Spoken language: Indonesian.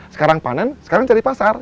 sekarang panen sekarang cari pasar